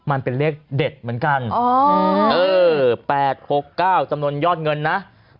มันเป็นเลขเด็ดเหมือนกัน๘๖๙จำนวนยอดเงินนะ